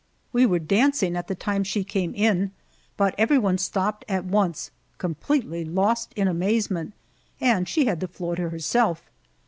We were dancing at the time she came in, but everyone stopped at once, completely lost in amazement, and she had the floor to herself.